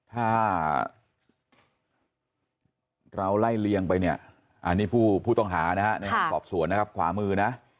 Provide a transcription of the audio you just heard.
ถ้าเราไล่เลียงไปเนี่ยอันนี้ผู้ต้องหานะฮะในห้องสอบสวนนะครับขวามือนะ